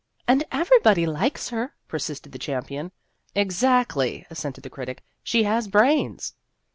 " And everybody likes her," persisted the champion. " Exactly," assented the critic ;" she has brains."